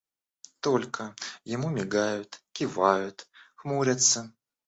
Только, ему мигают, кивают, хмурятся.